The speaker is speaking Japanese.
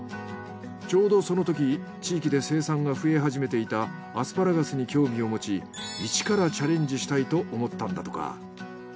ちょうどそのとき地域で生産が増え始めていたアスパラガスに興味を持ち一からチャレンジしたいと思ったんだとか。